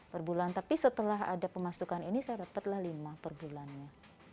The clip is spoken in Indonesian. perbulan tapi setelah ada pemasukan ini saya dapatlah lima perbulannya